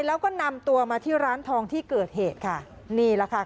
แล้วก็นำตัวมาที่ร้านทองที่เกิดเหตุค่ะนี่แหละค่ะ